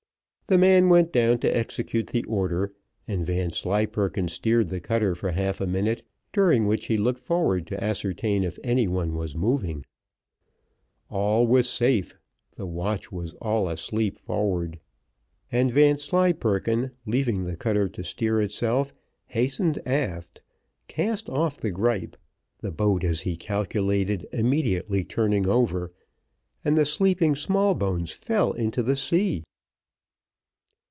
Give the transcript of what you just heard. The man went down to execute the order, and Vanslyperken steered the cutter for half a minute, during which he looked forward to ascertain if any one was moving. All was safe, the watch was all asleep forward, and Vanslyperken, leaving the cutter to steer itself, hastened aft, cast off the gripe, the boat, as he calculated, immediately turning over, and the sleeping Smallbones fell into the sea.